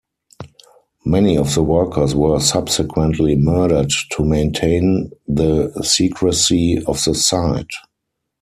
Many of the workers were subsequently murdered to maintain the secrecy of the site.